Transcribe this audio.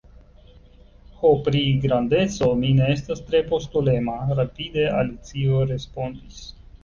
"Ho, pri grandeco, mi ne estas tre postulema," rapide Alicio respondis.